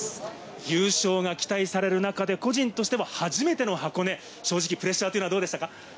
優勝が期待される中で個人としても初めての箱根、プレッシャーはどうでしたか？